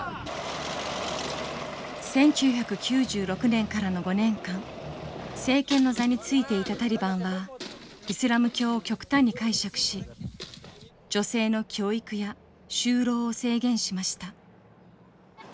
１９９６年からの５年間政権の座についていたタリバンはイスラム教を極端に解釈し女性の教育や就労を制限しました。